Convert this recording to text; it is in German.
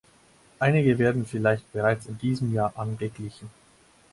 Einige werden vielleicht bereits in diesem Jahr angeglichen.